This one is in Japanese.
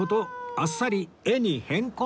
あっさり絵に変更！